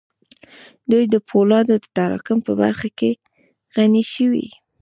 دوی د پولادو د تراکم په برخه کې غني شوې